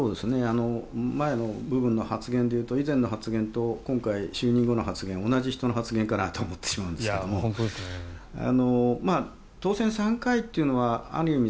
前の部分の発言で言うと以前の発言と今回、就任後の発言同じ人の発言かなと思ってしまうんですが当選３回というのはある意味